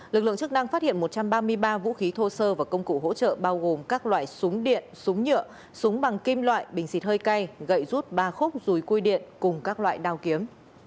lực lượng chức năng phát hiện một trăm ba mươi ba vũ khí thô sơ và công cụ hỗ trợ bao gồm các loại súng điện súng nhựa súng bằng kim loại bình xịt hơi cay gậy rút ba khúc rùi cui điện cùng các loại đao kiếm